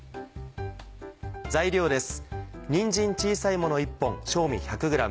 材料です。